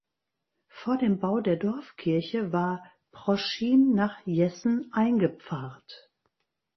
Vor dem Bau der Dorfkirche war Proschim nach Jessen eingepfarrt.